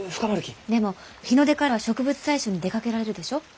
でも日の出から植物採集に出かけられるでしょう？